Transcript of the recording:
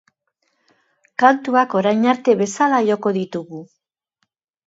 Kantuak orain arte bezala joko ditugu.